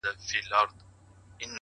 o لا به په تا پسي توېږي اوښکي ـ